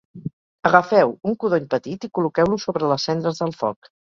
Agafeu un codony petit i col·loqueu-lo sobre les cendres del foc